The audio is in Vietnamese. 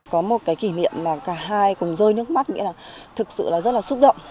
có một kỷ niệm mà cả hai cùng rơi nước mắt nghĩa là thực sự rất là xúc động